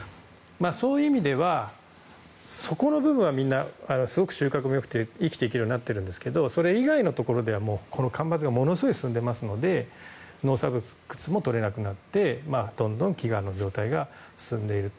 そういう意味では、そこの部分はすごく収穫がよくて生きていけるようになってるんですけどそれ以外のところでは干ばつがものすごく進んでいまして農作物も取れなくなってどんどん飢餓の状態が進んでいると。